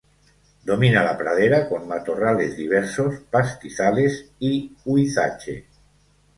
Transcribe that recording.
Domina la pradera con matorrales diversos, pastizales y huizache.